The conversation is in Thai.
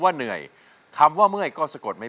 เปลี่ยนเพลงเพลงเก่งของคุณและข้ามผิดได้๑คำ